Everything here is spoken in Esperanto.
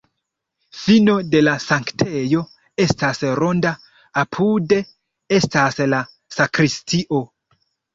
Fino de la sanktejo estas ronda, apude estas la sakristio.